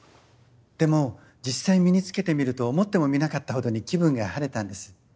でも実際身に着けてみると思ってもみなかったほどに気分が晴れたんです。